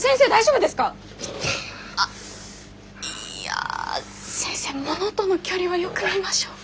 いや先生ものとの距離はよく見ましょう。